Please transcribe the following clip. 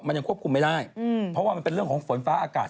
มันยังควบคุมไม่ได้เพราะว่ามันเป็นเรื่องของฝนฟ้าอากาศ